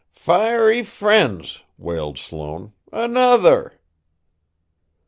"Fiery fiends!" wailed Sloane. "Another!"